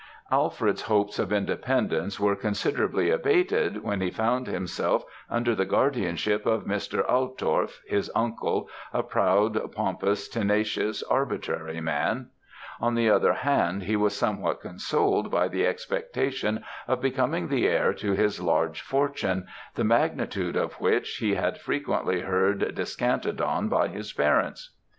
"Alfred's hopes of independence were considerably abated, when he found himself under the guardianship of Mr. Altorf, his uncle, a proud, pompous, tenacious, arbitrary man; on the other hand, he was somewhat consoled by the expectation of becoming the heir to his large fortune, the magnitude of which he had frequently heard descanted on by his parents.